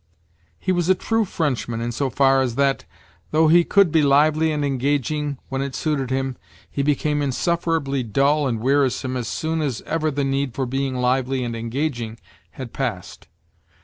He was a true Frenchman insofar as that, though he could be lively and engaging when it suited him, he became insufferably dull and wearisome as soon as ever the need for being lively and engaging had passed.